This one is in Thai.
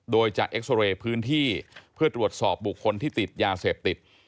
โดยจะเอ็กซอเรย์พื้นที่เพื่อตรวจสอบบุคคลที่ติดยาเสพติด